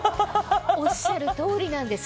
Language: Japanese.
おっしゃる通りなんです。